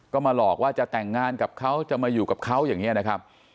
ก็มาหลอกว่าจะแต่งงานกับเขาจะมาอยู่กับเขาอย่างนี้นะครับ